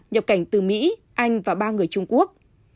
nhập cảnh từ mỹ anh và ba người trung quốc